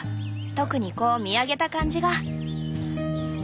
特にこう見上げた感じが。